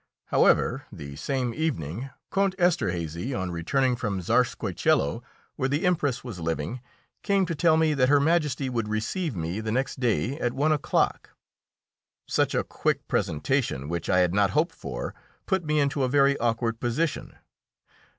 However, the same evening Count Esterhazy, on returning from Czarskoiesielo, where the Empress was living, came to tell me that Her Majesty would receive me the next day at one o'clock. Such a quick presentation, which I had not hoped for, put me into a very awkward position.